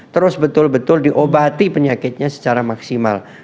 terus betul betul diobati penyakitnya secara maksimal